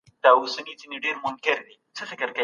عطر نه لري په ځان کي